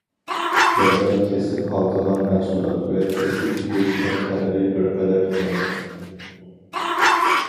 بازار، كەسىپ ھالقىغان مەھسۇلات ۋە كەسىپ يوشۇرۇن خەتىرى بىر قەدەر چوڭ.